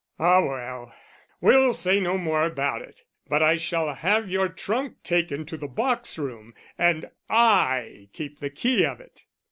"Ah well, we'll say no more about it. But I shall have your trunk taken to the box room and I keep the key of it."